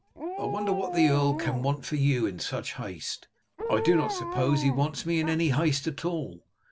I wonder what the earl can want you for in such haste?" "I do not suppose he wants me in any haste at all.